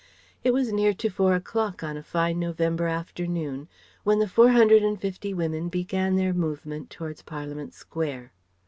It was near to four o'clock on a fine November afternoon when the four hundred and fifty women began their movement towards Parliament Square.